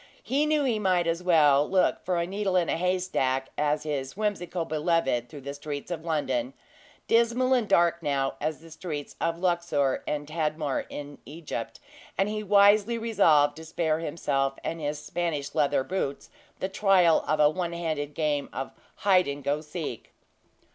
He knew he might as well look for a needle in a haystack as his whimsical beloved through the streets of London dismal and dark now as the streets of Luxor and Tadmor in Egypt; and he wisely resolved to spare himself and his Spanish leathers boots the trial of a one handed game of "hide and go to seek."